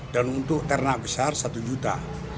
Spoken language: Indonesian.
dan untuk ternak besar satu juta